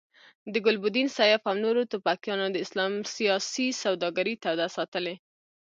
د ګلبدین، سیاف او نورو توپکیانو د اسلام سیاسي سوداګري توده ساتلې.